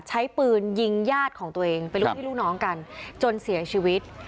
ใช้ปืนยิงญาติของตัวเองเป็นลูกพี่ลูกน้องกันจนเสียชีวิต